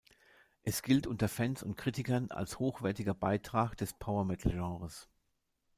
Es gilt unter Fans und Kritikern als hochwertiger Beitrag des Power-Metal-Genres.